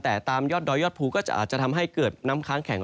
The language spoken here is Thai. แต่ตามยอดดอยยอดภูก็จะอาจจะทำให้เกิดน้ำค้างแข็ง